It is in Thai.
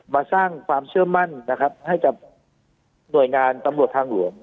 มาสร้างความเชื่อมั่นนะครับให้กับหน่วยงานตำรวจทางหลวง